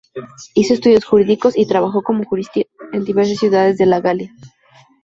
Hizo estudios jurídicos y trabajó como jurista en diversas ciudades de la Galia.